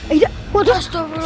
aida mau tahan dulu